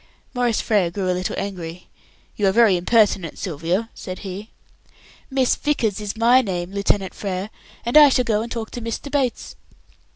Maurice Frere grew a little angry. "You are very impertinent, Sylvia," said he. "Miss Vickers is my name, Lieutenant Frere, and I shall go and talk to Mr. Bates."